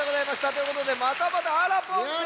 ということでまたまたあらぽんせいかい！